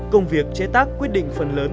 công việc chế tác quyết định phần lớn